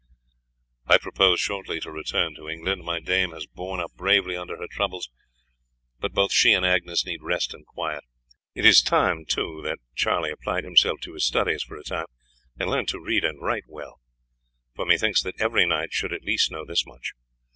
"I propose shortly to return to England. My dame has borne up bravely under her troubles, but both she and Agnes need rest and quiet. It is time, too, that Charlie applied himself to his studies for a time and learnt to read and write well, for methinks that every knight should at least know this much.